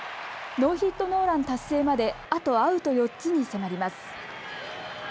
ノーヒットノーラン達成まであとアウト４つに迫ります。